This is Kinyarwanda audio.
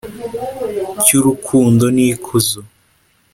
Cy'urukundo n'ikuzo